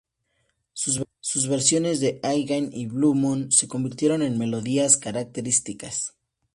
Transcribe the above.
Sus versiones de "Again" y "Blue Moon" se convirtieron en melodías características.